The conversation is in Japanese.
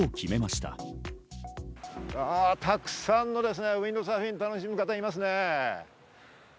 たくさんのウインドサーフィン楽しむ方いますね。